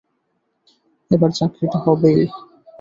এবার চাকরিটা হবেই।